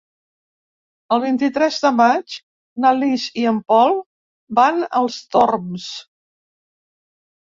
El vint-i-tres de maig na Lis i en Pol van als Torms.